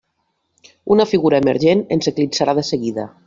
Una figura emergent ens eclipsarà de seguida.